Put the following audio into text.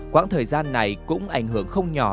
quãng thời gian này cũng ảnh hưởng không nhỏ